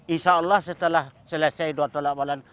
insya allah setelah selesai dua telah awalan